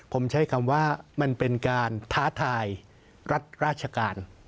ผมใช้คำว่ามันเป็นการท้าทายรัฐราชการ